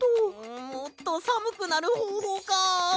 もっとさむくなるほうほうか。